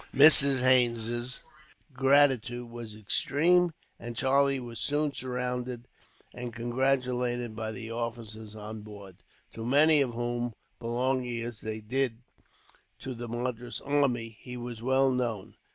Mrs. Haines' gratitude was extreme, and Charlie was soon surrounded, and congratulated, by the officers on board, to many of whom, belonging as they did to the Madras army, he was well known.